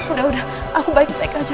udah udah aku balik kita ikut aja